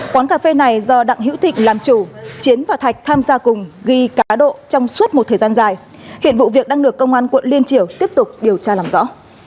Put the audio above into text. quán cà phê này do đặng hữu thịnh làm chủ chiến và thạch tham gia cùng ghi cá độ trong suốt một thời gian dài hiện vụ việc đang được công an quận liên triểu tiếp tục điều tra làm rõ